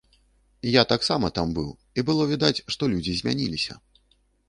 Я таксама там быў, і было відаць, што людзі змяніліся.